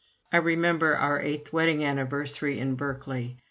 I remember our eighth wedding anniversary in Berkeley.